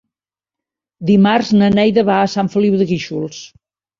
Dimarts na Neida va a Sant Feliu de Guíxols.